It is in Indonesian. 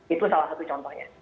itu salah satu contohnya